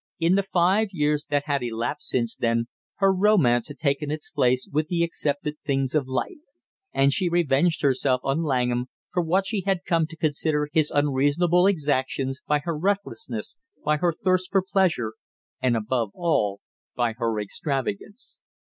In the five years that had elapsed since then, her romance had taken its place with the accepted things of life, and she revenged herself on Langham, for what she had come to consider his unreasonable exactions, by her recklessness, by her thirst for pleasure, and above all by her extravagance.